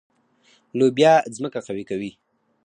لوبیا ځمکه قوي کوي.